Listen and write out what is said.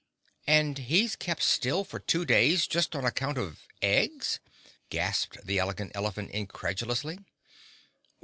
"And he's kept still for two days just on account of eggs?" gasped the Elegant Elephant incredulously.